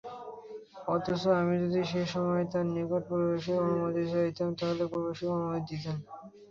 অথচ আমি যদি সে সময়ই তার নিকট প্রবেশর অনুমতি চাইতাম তাহলে প্রবেশের অনুমতি দিতেন।